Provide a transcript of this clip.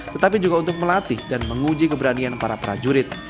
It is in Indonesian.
tetapi juga untuk melatih dan menguji keberanian para prajurit